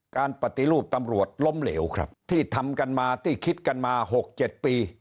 การปฏิรูปตำรวจล้มเหลวครับที่ทำกันมาที่คิดกันมา๖๗ปี